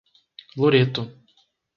Loreto